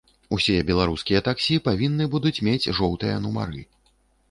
Усе беларускія таксі павінны будуць мець жоўтыя нумары.